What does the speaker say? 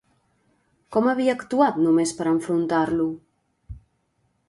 Com havia actuat només per enfrontar-lo?